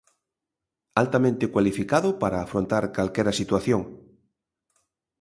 Altamente cualificado para afrontar calquera situación.